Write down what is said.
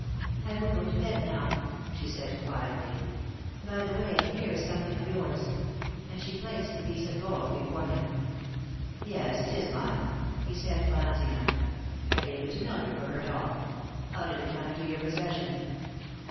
"I will go to bed now," she said, quietly. "By the way, here is something of yours," and she placed the piece of gold before him. "Yes, it is mine," he said, glancing at it. "I gave it to Mildred for her doll. How did it come into your possession?"